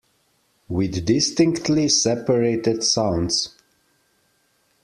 With distinctly separated sounds.